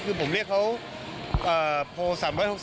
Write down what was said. คือผมเรียกเขาโทร๓๖๐